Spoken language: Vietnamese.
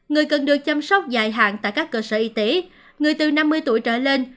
người cần được chăm sóc dài hạn tại các cơ sở y tế người từ năm mươi tuổi trở lên